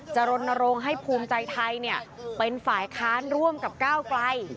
รณรงค์ให้ภูมิใจไทยเป็นฝ่ายค้านร่วมกับก้าวไกล